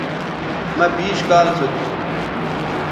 مہ بیش کال سو تھو